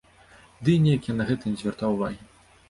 Ды і неяк я на гэтае не звяртаў увагі.